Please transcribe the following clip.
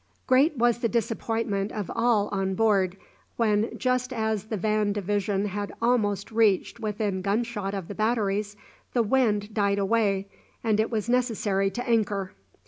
Great was the disappointment of all on board, when just as the van division had almost reached within gunshot of the batteries the wind died away, and it was necessary to anchor.